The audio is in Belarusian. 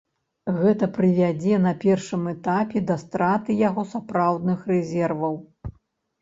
Гэта прывядзе на першым этапе да страты яго сапраўдных рэзерваў.